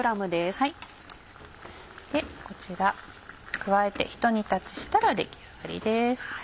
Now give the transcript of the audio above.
こちら加えてひと煮立ちしたら出来上がりです。